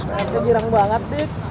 pak rete girang banget deh